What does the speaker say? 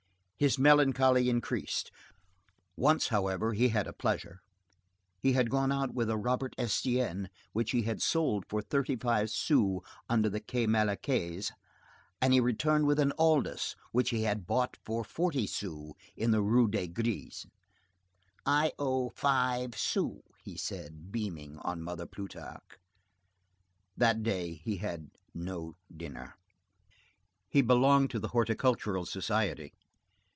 His melancholy increased. Once, however, he had a pleasure. He had gone out with a Robert Estienne, which he had sold for thirty five sous under the Quai Malaquais, and he returned with an Aldus which he had bought for forty sous in the Rue des Grès.—"I owe five sous," he said, beaming on Mother Plutarque. That day he had no dinner. He belonged to the Horticultural Society.